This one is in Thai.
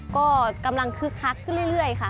ก็กำลังคึกคักขึ้นเรื่อยค่ะ